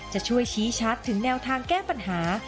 จะช่วยชี้ชัดถึงแนวทางแก้ปัญหา